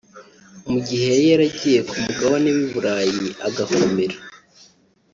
mu gihe yari yaragiye ku mugabane w’i Buraya agakomera